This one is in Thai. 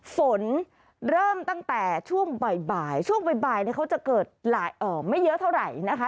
ฝนเริ่มตั้งแต่ช่วงบ่ายช่วงบ่ายเขาจะเกิดไม่เยอะเท่าไหร่นะคะ